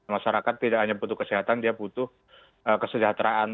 masyarakat tidak hanya butuh kesehatan dia butuh kesejahteraan